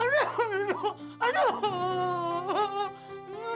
aduh aduh aduh aduh